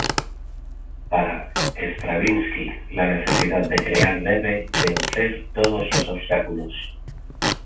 Para Stravinsky la necesidad de crear debe vencer todos los obstáculos.